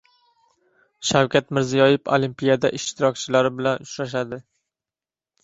Shavkat Mirziyoyev Olimpiyada ishtirokchilari bilan uchrashadi